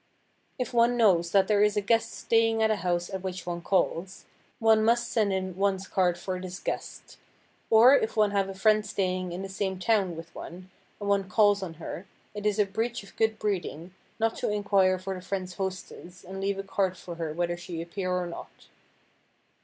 If one knows that there is a guest staying at a house at which one calls, one must send in one's card for this guest. Or, if one have a friend staying in the same town with one, and one calls on her, it is a breach of good breeding not to inquire for the friend's hostess and leave a card for her whether she appear or not.